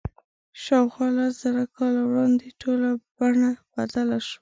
شاوخوا لس زره کاله وړاندې ټوله بڼه بدله شوه.